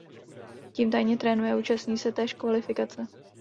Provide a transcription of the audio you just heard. Tim tajně trénuje a účastní se též kvalifikace.